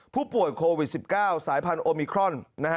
ผู้ป่วยโควิด๑๙สายพันธุมิครอน